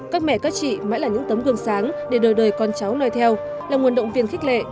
các mẹ các chị mãi là những tấm gương sáng để đời đời con cháu nói theo là nguồn động viên khích lệ